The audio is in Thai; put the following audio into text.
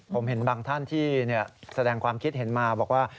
ผมเห็นบางท่านที่แสดงความคิดเห็นมาบอกว่า